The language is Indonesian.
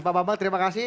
pak bambang terima kasih